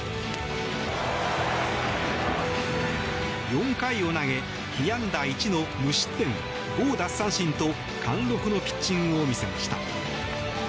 ４回を投げ被安打１の無失点、５奪三振と貫禄のピッチングを見せました。